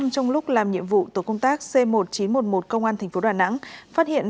trong lúc làm nhiệm vụ tổ công tác c một nghìn chín trăm một mươi một công an tp đà nẵng phát hiện